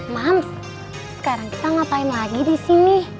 mams sekarang kita ngapain lagi disini